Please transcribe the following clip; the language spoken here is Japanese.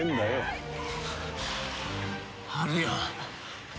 あるよ。